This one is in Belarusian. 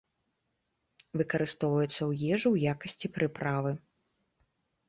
Выкарыстоўваецца ў ежу ў якасці прыправы.